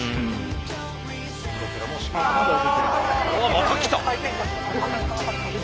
またきた。